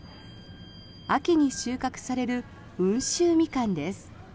秋に収穫される温州ミカンです。